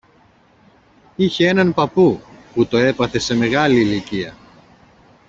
είχε έναν παππού που το έπαθε σε μεγάλη ηλικία